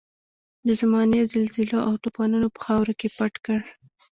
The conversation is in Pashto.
د زمانې زلزلو او توپانونو په خاورو کې پټ کړ.